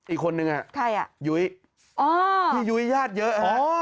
อีกคนนึงยุ้ยพี่ยุ้ยญาติเยอะฮะ